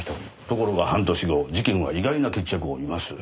ところが半年後事件は意外な決着を見ます。